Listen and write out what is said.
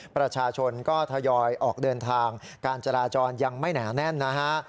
ประชาชนก็ทยอยออกเดินทางการจราจรยังไม่หนาแน่นนะฮะ